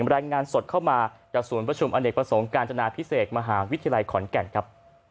รายงานสดเข้ามาจากศูนย์ประชุมอเนกประสงค์การจนาพิเศษมหาวิทยาลัยขอนแก่นครับ